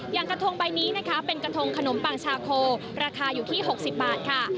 อย่างกระทงใบนี้นะคะเป็นกระทงขนมปังชาโคราคาอยู่ที่๖๐บาทค่ะ